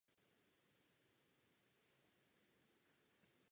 Mistrovství se těší oblibě především v domácím Německu.